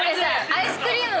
アイスクリーム